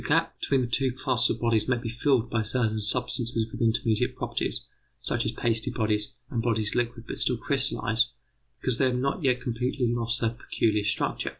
The gap between the two classes of bodies may be filled by certain substances with intermediate properties, such as pasty bodies and bodies liquid but still crystallized, because they have not yet completely lost their peculiar structure.